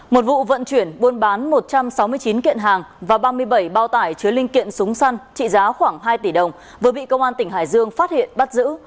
một vụ vận chuyển buôn bán một trăm sáu mươi chín kiện hàng và ba mươi bảy bao tải chứa linh kiện súng săn trị giá khoảng hai tỷ đồng vừa bị công an tỉnh hải dương phát hiện bắt giữ